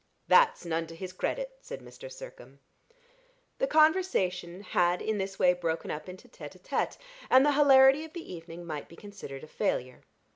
"That's none to his credit," said Mr. Sircome. The conversation had in this way broken up into tête à tête, and the hilarity of the evening might be considered a failure.